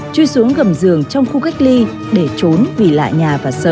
chui xuống gầm giường trong khu cách ly để trốn vì lại nhà và sợ